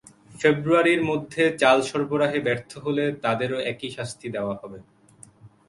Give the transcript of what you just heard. ফেব্রুয়ারির মধ্যে চাল সরবরাহে ব্যর্থ হলে তাঁদেরও একই শাস্তি দেওয়া হবে।